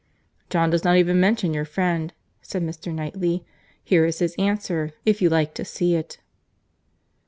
"John does not even mention your friend," said Mr. Knightley. "Here is his answer, if you like to see it."